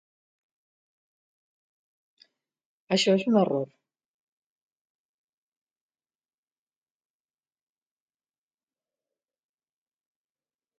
Això és un error.